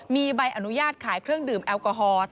มีใบอนุญาตขายเครื่องดื่มแอลกอฮอล์